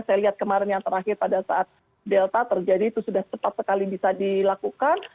saya lihat kemarin yang terakhir pada saat delta terjadi itu sudah cepat sekali bisa dilakukan